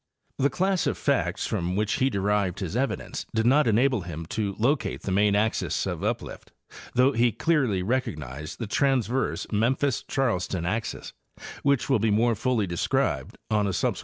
The class of facts from which he derived his evidence did not enable him to locate the main axes of uplift, though he clearly recognized the transverse Memphis Charleston axis, which will be more fully described on a subsequent page.